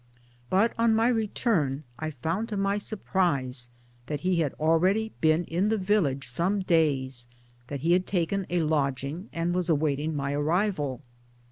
But on my return I found to my surprise that he had already been in the village some days, that he had taken a lodging, and was awaiting my arrival.